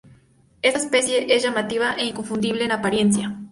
Esta especie es llamativa e inconfundible en apariencia.